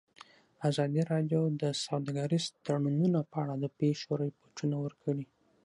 ازادي راډیو د سوداګریز تړونونه په اړه د پېښو رپوټونه ورکړي.